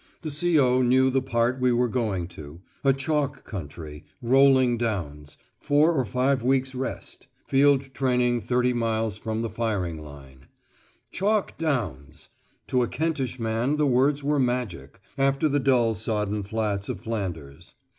"The C.O. knew the part we were going to: a chalk country ... rolling downs ... four or five weeks' rest ... field training thirty miles from the firing line." Chalk downs! To a Kentish man the words were magic, after the dull sodden flats of Flanders.